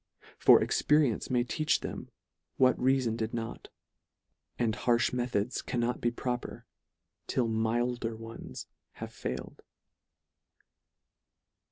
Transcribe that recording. For experience may teach them what reafon did not ; and harfh methods, cannot be proper, till milder ones have failed.